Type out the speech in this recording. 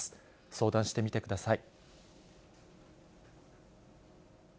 相談してみてください。